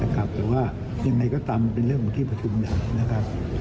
หรือว่ายังไงก็ตามเป็นเรื่องของที่ปฐิมิตรนะครับ